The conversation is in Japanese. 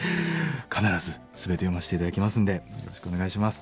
必ず全て読ませて頂きますんでよろしくお願いします。